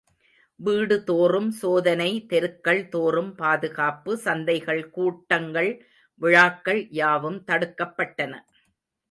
வீடுதோறும் சோதனை, தெருக்கள் தோறும் பாதுகாப்பு சந்தைகள், கூட்டங்கள், விழாக்கள் யாவும் தடுக்கப்பட்டன.